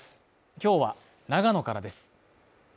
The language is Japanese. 今日は長野からです。